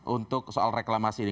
untuk soal reklamasi ini